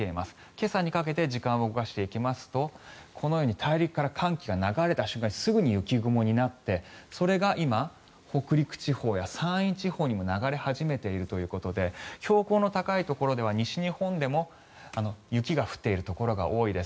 今朝にかけて時間を動かしていきますとこのように大陸から寒気が流れた瞬間にすぐに雪雲になってそれが今北陸地方や山陰地方にも流れ始めているということで標高の高いところでは西日本でも雪が降っているところが多いです。